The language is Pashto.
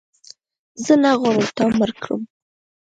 زه نه غواړم تا مړ کړم